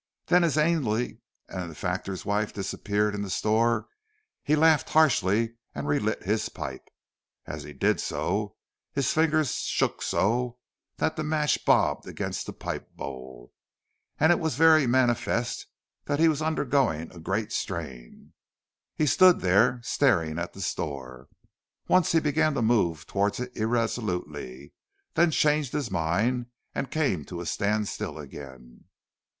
Then as Ainley and the factor's wife disappeared in the store, he laughed harshly and relit his pipe. As he did so, his fingers shook so that the match bobbed against the pipe bowl, and it was very manifest that he was undergoing a great strain. He stood there staring at the store. Once he began to move towards it irresolutely, then changed his mind and came to a standstill again.